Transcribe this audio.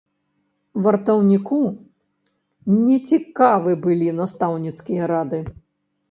Вартаўніку не цікавы былі настаўніцкія рады.